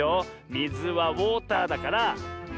みずはウォーターだからウォーター。